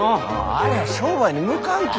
ありゃ商売に向かんき。